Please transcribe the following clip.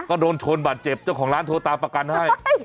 ก็โดนชนบาดเจ็บเจ้าของร้านโทรตามประกันให้